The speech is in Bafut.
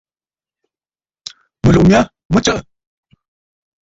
Mɨ̀tlùʼù mya mə tsəʼə̂.